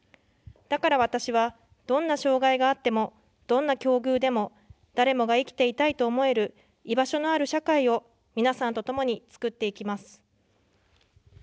だから私は、どんな障害があっても、どんな境遇でも、誰もが生きていたいと思える居場所のある社会を皆さんとともに作っていきます。